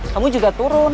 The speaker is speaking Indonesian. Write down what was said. kamu juga turun